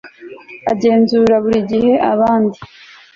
agenzura buri gihe abandi